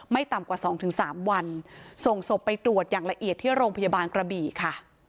ไม่ต่ำกว่า๒๓วันส่งศพไปตรวจอย่างละเอียดที่โรงพยาบาลกระบีค่ะ